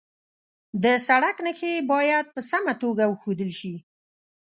د سړک نښې باید په سمه توګه وښودل شي.